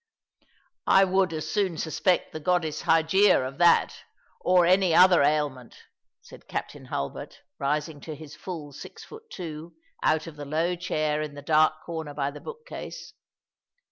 " I would as soon suspect the goddess Hygeia of that, or any other ailment," said Captain Hulbert, rising to his full six feet two, out of the low chair in the dark corner by the boDkcase.